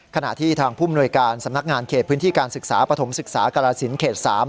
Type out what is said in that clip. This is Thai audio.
ขณะที่ทางผู้มนวยการสำนักงานเขตพื้นที่การศึกษาปฐมศึกษากรสินเขต๓